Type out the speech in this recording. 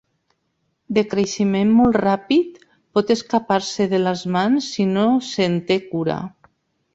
De creixement molt ràpid, pot escapar-se de les mans si no se'n té cura.